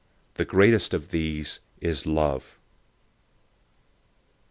The greatest of these is love.